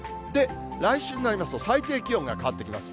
来週になりますと、最低気温が変わってきます。